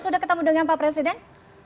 sudah ketemu dengan pak presiden